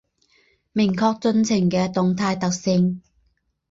明确进程的动态特性